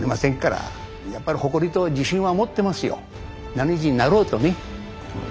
何人になろうとね。